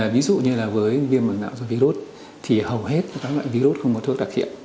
ví dụ như là với viêm mảng não do virus thì hầu hết các loại virus không có thuốc đặc hiện